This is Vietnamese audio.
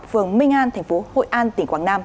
phường minh an tp hội an tỉnh quảng nam